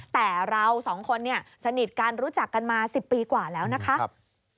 แต่เราสองคนเนี่ยสนิทกันรู้จักกันมา๑๐ปีกว่าแล้วนะคะ